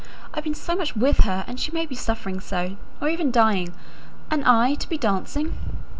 "I've been so much with her; and she may be suffering so, or even dying and I to be dancing!"